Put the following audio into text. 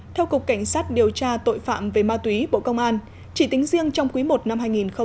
theo cục cảnh sát điều tra tội phạm về ma túy bộ công an chỉ tính riêng trong quý i năm hai nghìn hai mươi